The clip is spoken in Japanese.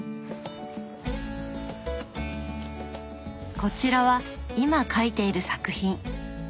こちらは今描いている作品。